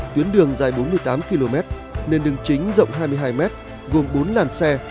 tuyến đường dài bốn mươi tám km nền đường chính rộng hai mươi hai mét gồm bốn làn xe